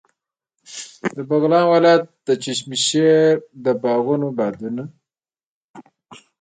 د بغلان ولایت د چشم شیر د باغونو بادونه.